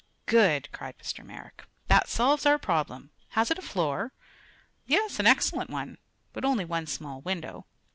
"Good!" cried Mr. Merrick. "That solves our problem. Has it a floor?" "Yes; an excellent one; but only one small window."